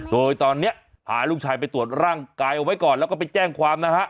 โดยตอนนี้พาลูกชายไปตรวจร่างกายเอาไว้ก่อนแล้วก็ไปแจ้งความนะฮะ